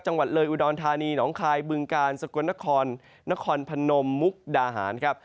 จังหวัดเลยอุดรธานีหนองคายบึงกาลสกลนครนครพนมมุกดาหารครับ